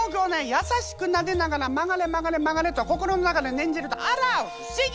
優しくなでながら曲がれ曲がれ曲がれと心の中で念じるとあら不思議！